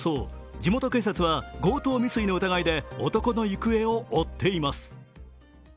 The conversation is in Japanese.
地元警察は強盗未遂の疑いで男の行方を追っています。